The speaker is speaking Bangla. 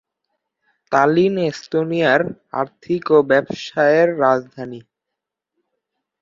তালিন এস্তোনিয়ার আর্থিক ও ব্যবসায়ের রাজধানী।